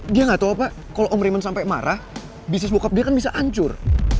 dia gak tau apa kalo om rimen sampe marah bisnis bokap dia kan bisa hancur